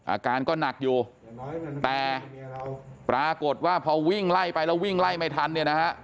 อาการก็หนักอยู่แต่ปรากฏว่าพอวิ่งไล่ไปแล้ววิ่งไล่ไม่ทันเนี่ยนะฮะ